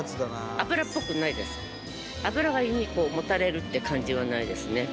脂が胃にもたれるって感じはないですね。